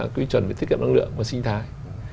quy chuẩn về tiết kiệm năng lượng và sinh thái